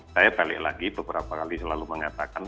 saya balik lagi beberapa kali selalu mengatakan